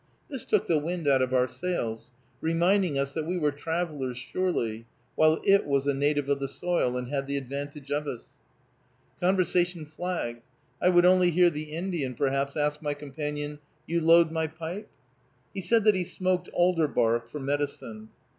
This took the wind out of our sails, reminding us that we were travelers surely, while it was a native of the soil, and had the advantage of us. Conversation flagged. I would only hear the Indian, perhaps, ask my companion, "You load my pipe?" He said that he smoked alder bark, for medicine.